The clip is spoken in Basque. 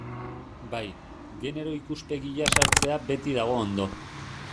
Bai, genero ikuspegia sartzea beti dago ondo.